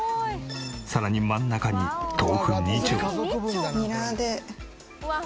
さらに真ん中に豆腐２丁。